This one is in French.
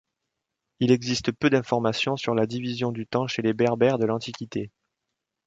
Il existe peu d'informations sur la division du temps chez les Berbères de l'Antiquité.